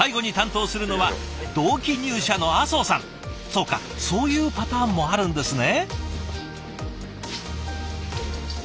そうかそういうパターンもあるんですね。